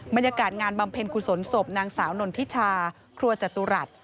บรรยากาศงานบำเพ็ญกุศลศพนางสาวนนทิชาครัวจตุรัส